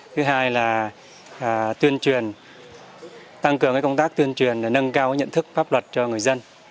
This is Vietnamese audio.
thứ hai là tăng cường công tác tuyên truyền để nâng cao nhận thức pháp luật cho người dân